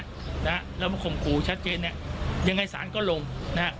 นะฮะแล้วมาข่มขู่ชัดเจนเนี่ยยังไงสารก็ลงนะฮะ